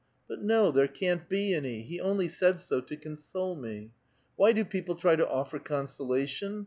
But no, there can't be any ; he only said so to console me. Why do people try to offer con solation